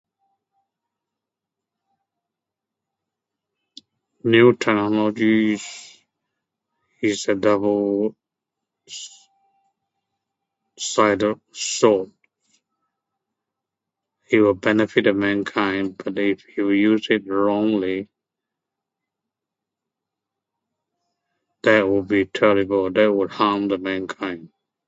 New technologies is a double s- side- sword. It will benefit a mankind but if you use it wrongly, that would be terrible. That would harm the mankind.